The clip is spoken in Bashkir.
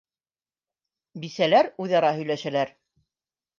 Бисәләр үҙ-ара һөйләшәләр.